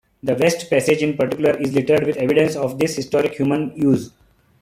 The west passage in particular is littered with evidence of this historic human use.